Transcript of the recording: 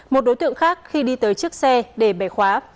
một đối tượng khác khi đi tới chiếc xe để bẻ khóa